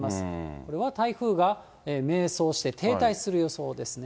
これは台風が迷走して、停滞する予想ですね。